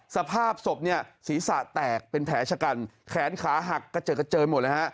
สภาพศพเนี่ยศีรษะแตกเป็นแผลชะกันแขนขาหักกระเจิดกระเจิญหมดเลยฮะ